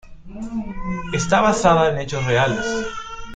Esta basada en hechos reales